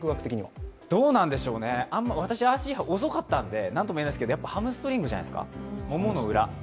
どうなんでしょうね、私、足が遅かったので何ともいえないんですが、ハムストリングじゃないですかももの裏。